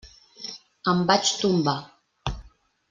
Em vaig tombar.